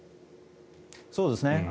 そうですね。